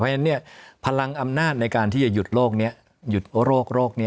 เพราะฉะนั้นพลังอำนาจในการที่จะหยุดโลกนี้หยุดโรคนี้